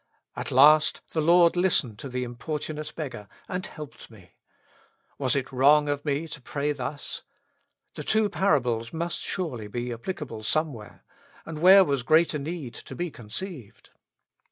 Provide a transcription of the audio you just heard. At last the Lord listened to the importunate beggar, and helped me. Was it wrong of me to pray thus ? The two parables must surely be applicable somewhere, and where was greater need to be con ceived